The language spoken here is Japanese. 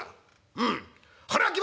「うん」。